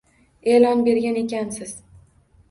E'lon bergan ekansiz.